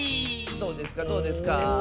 どうですかどうですか？